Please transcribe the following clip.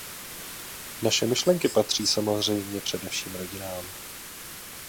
Naše myšlenky patří samozřejmě především rodinám.